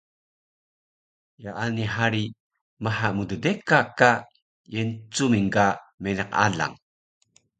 Yaani hari maha mddeka ka Yencuming ga meniq alang